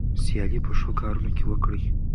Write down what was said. سیالي په ښو کارونو کې وکړئ.